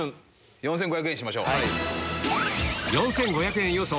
４５００円にしましょう。